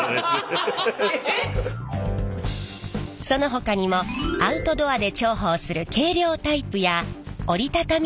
そのほかにもアウトドアで重宝する軽量タイプや折りたたみタイプ。